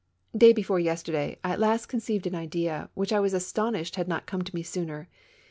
Day before yesterday I at last conceived an idea, which I was astonished had not come to me sooner.